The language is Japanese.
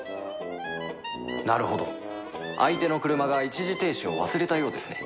なるほど相手の車が一時停止を忘れたようですね